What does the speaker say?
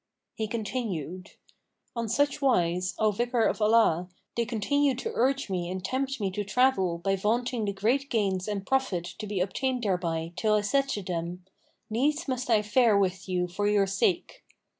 He continued, "On such wise, O Vicar of Allah, they continued to urge me and tempt me to travel by vaunting the great gains and profit to be obtained thereby till I said to them, 'Needs must I fare with you for your sake!'